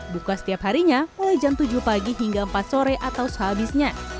buka setiap harinya mulai jam tujuh pagi hingga empat sore atau sehabisnya